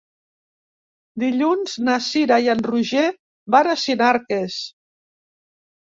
Dilluns na Cira i en Roger van a Sinarques.